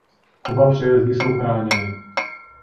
Oba přejezdy jsou chráněné.